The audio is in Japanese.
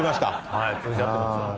はい通じ合ってました。